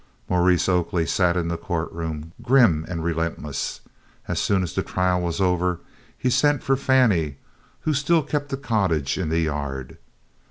Maurice Oakley sat in the court room, grim and relentless. As soon as the trial was over, he sent for Fannie, who still kept the cottage in the yard.